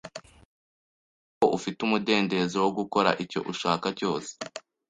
Wumve ko ufite umudendezo wo gukora icyo ushaka cyose.